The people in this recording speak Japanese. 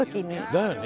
だよね。